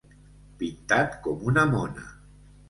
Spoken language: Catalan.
Pintat com una mona.